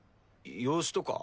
養子とか？